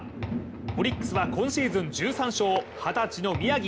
オリックスは今シーズン１３勝二十歳の宮城。